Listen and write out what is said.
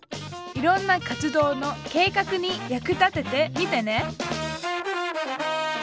いろんな活動の計画に役立ててみてね！